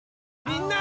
みんな！